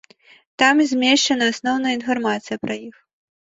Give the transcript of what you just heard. Там змешчана асноўная інфармацыя пра іх.